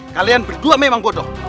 kalian berdua memang bodoh